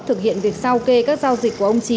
thực hiện việc sao kê các giao dịch của ông trí